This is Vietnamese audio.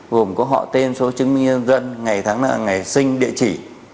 gồm có họ tên số chứng minh nhân dân ngày tháng năm ngày sinh địa chỉ